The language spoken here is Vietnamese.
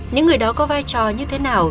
những người đó có vai trò như thế nào